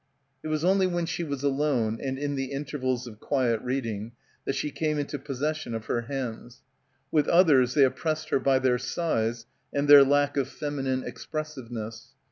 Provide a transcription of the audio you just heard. It was only when she was alone and in the intervals of quiet reading that she came into possession of her hands. With others they op pressed her by their size and their lack of feminine expressiveness.